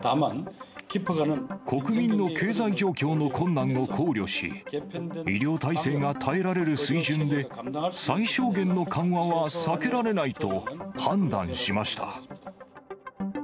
国民の経済状況の困難を考慮し、医療体制が耐えられる水準で、最小限の緩和は避けられないと判断しました。